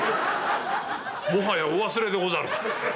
「もはやお忘れでござるか。